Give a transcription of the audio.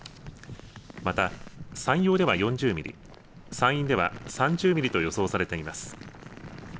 また山陽では４０ミリ、山陰では３０ミリと予想されています。